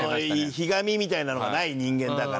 ひがみみたいなのがない人間だから。